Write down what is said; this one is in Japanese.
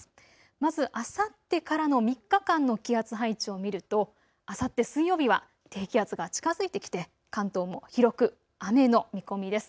まずあさってからの３日間の気圧配置を見ると、あさって水曜日は低気圧が近づいてきて関東も広く雨の見込みです。